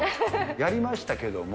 やりましたけども。